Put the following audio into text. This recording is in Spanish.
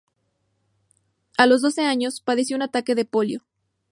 A los once años, padeció un ataque de polio.